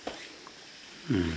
うん。